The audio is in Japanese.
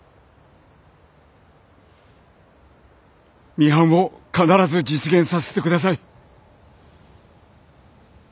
ミハンを必ず実現させてください。